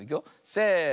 せの。